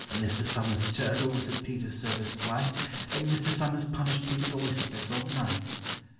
And Mr. SOMERS' turtle was at PETER'S service quite, And Mr. SOMERS punished PETER'S oyster beds all night.